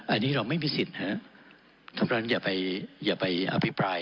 อันนี้เราไม่มีสิทธิ์ฮะเท่านั้นอย่าไปอย่าไปอภิปราย